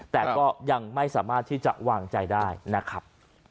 แต่ก็ยังไม่สามารถที่จะวางใจได้นะครับ